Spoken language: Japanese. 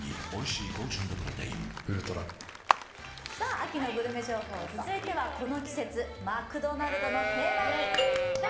秋のグルメ情報、続いてはこの季節のマクドナルドの定番！